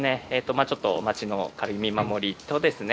まあちょっと町の軽い見守りとですね